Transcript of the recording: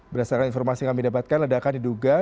berdasarkan informasi yang kami dapatkan ledakan diduga